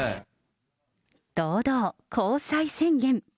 堂々、交際宣言。